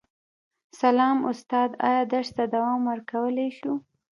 سلام استاده ایا درس ته دوام ورکولی شو